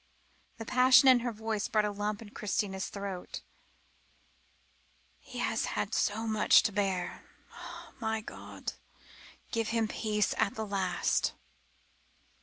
The passion in her voice brought a lump into Christina's throat. "He has had so much to bear. Ah! my God! give him peace at the last!"